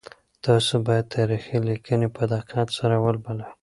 تاسو باید تاریخي لیکنې په دقت سره ولولئ.